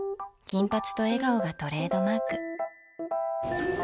金髪と笑顔がトレードマーク。